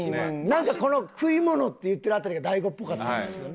なんかこの「食い物」って言ってるあたりが大悟っぽかったんですよね。